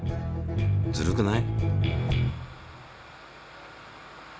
ずるくない？